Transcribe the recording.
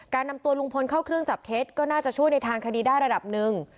นำตัวลุงพลเข้าเครื่องจับเท็จก็น่าจะช่วยในทางคดีได้ระดับหนึ่ง